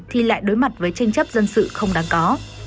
thì lại đối mặt với tranh chấp dân sự không đáng có